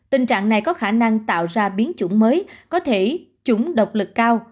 tình trạng này có khả năng tạo ra biến chủng mới có thể chủng độc lực cao